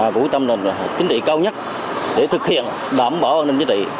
quyết tâm là chính trị cao nhất để thực hiện đảm bảo an ninh chính trị